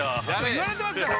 ◆言われてますから。